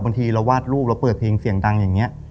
บางทีเราวาดรูปเราเปิดเพลงเสียงดังอย่างนี้